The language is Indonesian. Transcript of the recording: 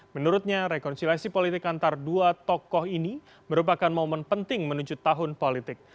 menurutnya rekonsiliasi politik antara dua tokoh ini merupakan momen penting menuju tahun politik